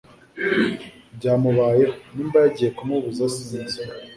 byamubayeho niba yagiye kumubuza sinzi